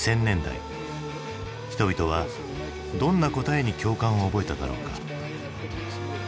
人々はどんな答えに共感を覚えただろうか？